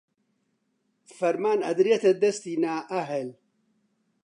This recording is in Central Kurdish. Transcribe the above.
فەرمان ئەدرێتە دەستی نائەهل